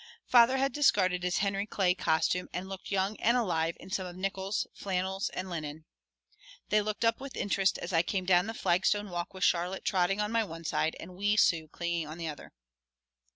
Father had discarded his Henry Clay costume and looked young and alive in some of Nickols' flannels and linen. They looked up with interest as I came down the flagstone walk with Charlotte trotting on my one side and wee Sue clinging on the other.